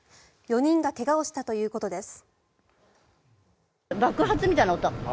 ４人が怪我をしたということです。